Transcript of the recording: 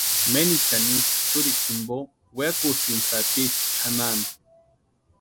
Menichani ísï churikwa jimpo weakusïnti sapicha chʼanani.